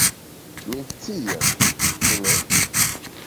Mi scias, ĉu ne?